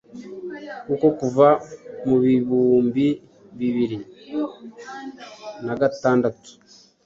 kuko kuva mu mibumbi bibiri nagatandatu